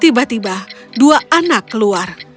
tiba tiba dua anak keluar